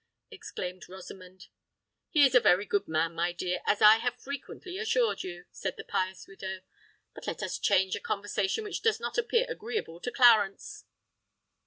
exclaimed Rosamond. "He is a very good man, my dear, as I have frequently assured you," said the pious widow. "But let us change a conversation which does not appear agreeable to Clarence?"